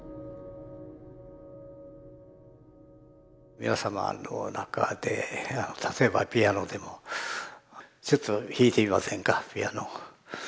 皆さまの中で例えばピアノでもちょっと弾いてみませんかピアノ。